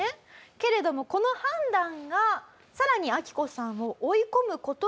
けれどもこの判断がさらにアキコさんを追い込む事になっていきます。